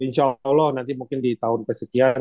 insya allah nanti mungkin di tahun kesekian